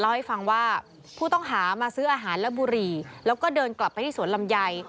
เล่าให้ฟังว่าผู้ต้องหามาซื้ออาหารและบุหรี่แล้วก็เดินกลับไปที่สวนลำไย